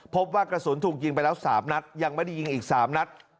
พบว่ากระสุนถูกยิงไปแล้ว๓นัดยังไม่ได้ยิงอีก๓นัด